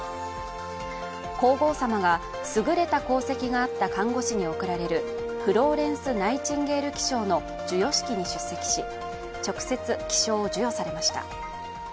皇后さまが優れた功績があった看護師に贈られるフローレンス・ナイチンゲール記章の授与式に出席し、直接記章を授与されました。